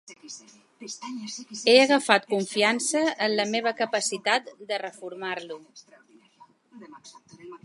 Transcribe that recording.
He agafat confiança en la meva capacitat de reformar-lo.